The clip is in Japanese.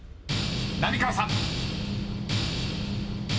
［浪川さん］